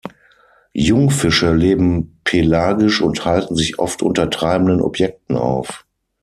Jungfische leben pelagisch und halten sich oft unter treibenden Objekten auf.